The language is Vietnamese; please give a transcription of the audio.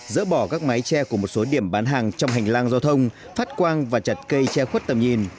dỡ bỏ các mái tre của một số điểm bán hàng trong hành lang giao thông phát quang và chặt cây che khuất tầm nhìn